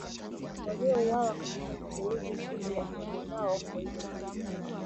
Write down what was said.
waliouawa katika shambulizi dhidi ya kambi zao haijajulikana